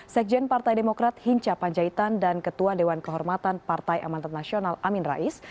sekjen partai demokrat hinca panjaitan dan ketua dewan kehormatan partai amanat nasional amin rais